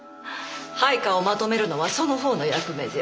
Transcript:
配下をまとめるのはその方の役目じゃ。